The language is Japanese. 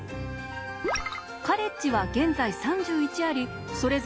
カレッジは現在３１ありそれぞれ特徴があります。